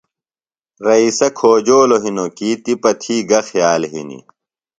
رئیسہ کھوجولوۡ ہِنوۡ کی تِپہ تھی گہ خیال ہِنیۡ